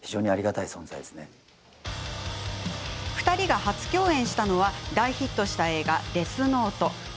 ２人が初共演したのは大ヒットした映画「デスノート」。